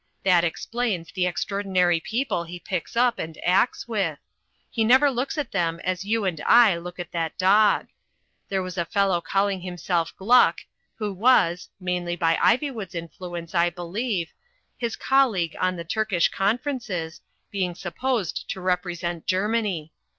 That explains the extraordinary people he picks up and acts with; he never looks at them as you and I look at that dog. There was a fellow calling himself 140. ' THE FLYING INN Gluck who was (mainly by Iv)rwood's influence, I believe) his colleague on the Turkish Conferences, being supposed to represent Germany.